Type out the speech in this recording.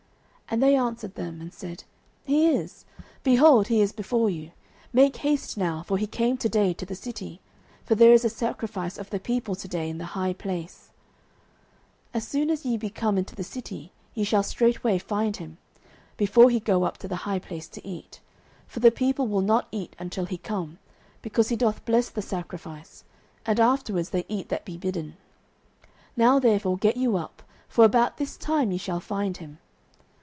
09:009:012 And they answered them, and said, He is; behold, he is before you: make haste now, for he came to day to the city; for there is a sacrifice of the people to day in the high place: 09:009:013 As soon as ye be come into the city, ye shall straightway find him, before he go up to the high place to eat: for the people will not eat until he come, because he doth bless the sacrifice; and afterwards they eat that be bidden. Now therefore get you up; for about this time ye shall find him.